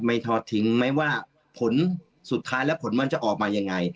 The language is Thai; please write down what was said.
ทอดทิ้งไหมว่าผลสุดท้ายแล้วผลมันจะออกมายังไง